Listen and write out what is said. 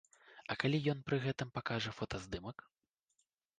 А калі ён пры гэтым пакажа фотаздымак?